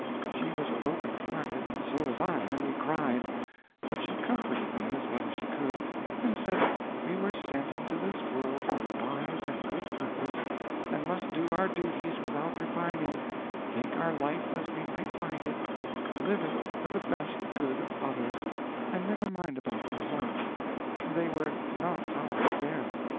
She was broken hearted, and so was I, and we cried; but she comforted me as well as she could, and said we were sent into this world for a wise and good purpose, and must do our duties without repining, take our life as we might find it, live it for the best good of others, and never mind about the results; they were not our affair.